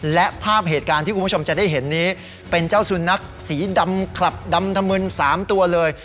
และภาพเหตุการณ์ที่คุณผู้ชมจะได้เห็นนี้เป็นเจ้าสุนัขสีดำคลับดำถมึน๓ตัวเลย